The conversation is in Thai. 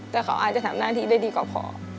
แต่เขาอาจจะทำหน้าที่ได้ดีกว่าพอ